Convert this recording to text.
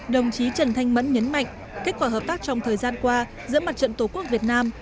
đồng chí trần thanh mẫn nhấn mạnh kết quả hợp tác trong thời gian qua giữa mặt trận tổ quốc việt nam